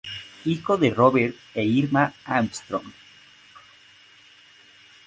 Hijo de Robert e Irma Armstrong.